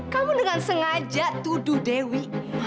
kamu dengan sengaja tuduh dewi